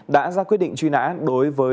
đã ra quyết định truy nã đối với